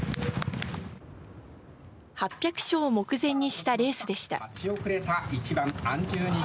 ８００勝を目前にしたレースでした。